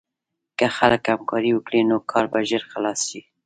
که خلک همکاري وکړي، نو کار به ژر خلاص شي.